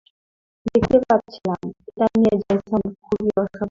দেখতেই পাচ্ছিলাম, এটা নিয়ে জেসন খুবই অসন্তুষ্ট।